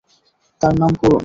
তার নাম করুন।